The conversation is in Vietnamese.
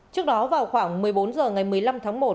trước đó vào khoảng một mươi bốn h ngày một mươi năm tháng một